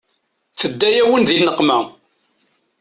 Tedda-yawen di nneqma.